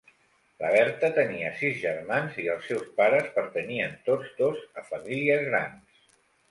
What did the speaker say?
La Bertha tenia sis germans i els seus pares pertanyien tots dos a famílies grans.